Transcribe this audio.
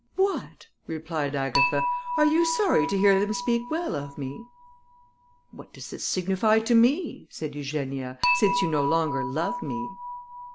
"What!" replied Agatha, "are you sorry to hear them speak well of me?" "What does it signify to me," said Eugenia, "since you no longer love me."